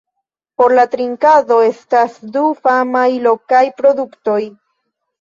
Por la trinkado estas du famaj lokaj produktoj.